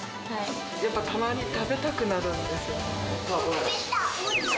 やっぱりたまに食べたくなるんですよ。